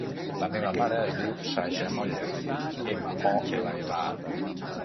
La meva mare es diu Saja Molla: ema, o, ela, ela, a.